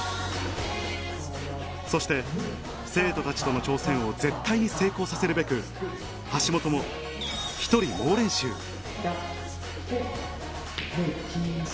そして生徒たちとの挑戦を絶対に成功させるべく橋本も一体来週の『２４時間テレビ』で